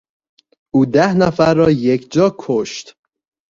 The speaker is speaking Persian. او ده نفر را یکجا کشت.